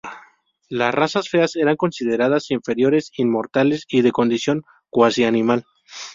Las razas "feas" eran consideradas inferiores, inmorales y de condición cuasi-animal.